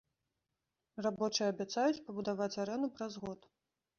Рабочыя абяцаюць пабудаваць арэну праз год.